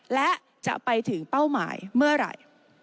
และจะไปถึงเป้าหมายเมื่อไหร่